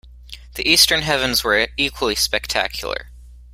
The eastern heavens were equally spectacular.